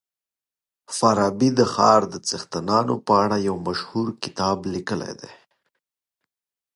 فارابي د ښار د څښتنانو په اړه يو مشهور کتاب ليکلی دی.